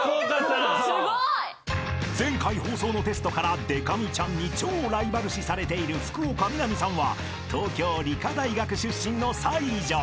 ［前回放送のテストからでか美ちゃんに超ライバル視されている福岡みなみさんは東京理科大学出身の才女］